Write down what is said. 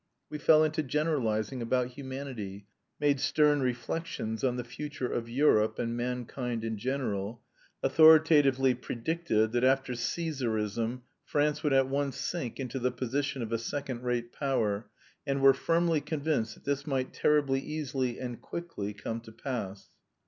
We fell into generalising about humanity, made stern reflections on the future of Europe and mankind in general, authoritatively predicted that after Cæsarism France would at once sink into the position of a second rate power, and were firmly convinced that this might terribly easily and quickly come to pass.